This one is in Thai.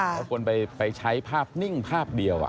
พวกคนไปใช้ภาพนิ่งภาพเดียวอะ